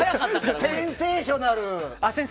センセーショナル！